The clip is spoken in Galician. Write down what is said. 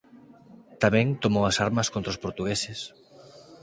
Tamén tomou as armas contra os portugueses.